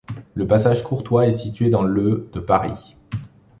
Le passage Courtois est situé dans le de Paris.